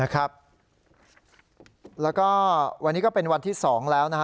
อ่านะครับแล้วก็วันนี้ก็เป็นวันที่สองแล้วนะฮะ